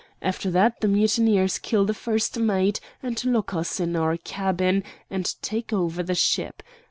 After that the mutineers kill the first mate, and lock us in our cabin, and take over the ship.